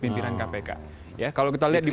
pimpinan kpk ya kalau kita lihat di